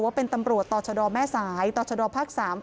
ว่าเป็นตำรวจต่อชะดอแม่สายต่อชดภาค๓